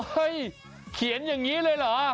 เขียนอย่างนี้เลยเหรอ